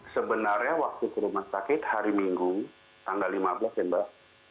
sebenarnya waktu ke rumah sakit hari minggu tanggal lima belas ya mbak